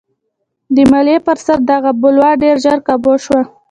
د مالیې پر سر دغه بلوا ډېر ژر کابو شوه.